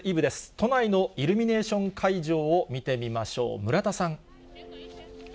都内のイルミネーション会場を見てみましょう。